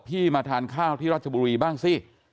มาทานข้าวที่รัชบุรีบ้างสิ